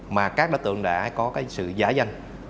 mà các đối tượng đã có sự giả danh